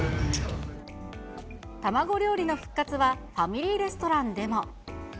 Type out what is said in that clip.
卵料理の復活は、ファミリーレストランでも。